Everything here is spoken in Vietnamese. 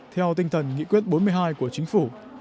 theo tinh thần nghị quyết bốn mươi hai của chính phủ